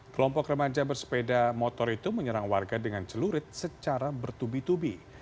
kelompok remaja bersepeda motor itu menyerang warga dengan celurit secara bertubi tubi